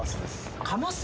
カマス？